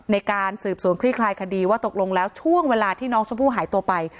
ในการสืบสวนคลี่คลายคดีว่าตกลงแล้วช่วงเวลาที่น้องชมพู่หายตัวไป